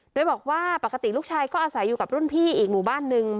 โดยบอกว่าปกติลูกชายก็อาศัยอยู่กับรุ่นพี่อีกหมู่บ้านนึง